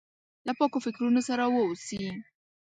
له پاکو فکرونو سره واوسي.